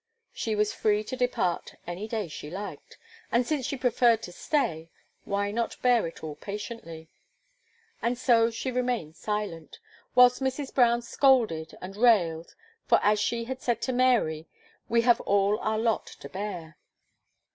She was free to depart any day she liked; and since she preferred to stay, why not bear it all patiently? And so she remained silent, whilst Mrs. Brown scolded and railed; for, as she had said to Mary, "we have all our lot to bear."